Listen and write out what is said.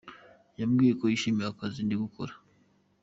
Yambwiye ko yishimiye akazi ndi gukora.